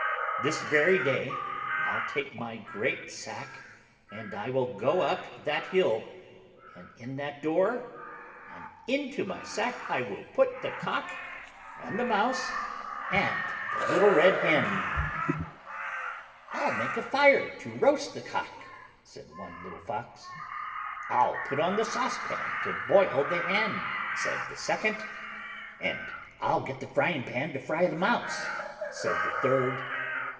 "This very day, I'll take my great sack, and I will go up that hill, and in at that door, and into my sack I will put the Cock, and the Mouse, and the little Red Hen." "I'll make a fire to roast the Cock," said one little fox. "I'll put on the saucepan to boil the Hen," said the second. "And I'll get the frying pan to fry the Mouse," said the third.